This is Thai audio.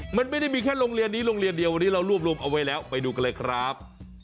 มันไม่ได้มีแค่โรงเรียนนี้โรงเรียนเดียววันนี้เรารวบรวมเอาไว้แล้วไปดูกันเลยครับ